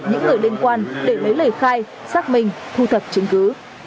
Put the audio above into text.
những người liên quan để lấy lời khai xác minh thu thập chứng cứ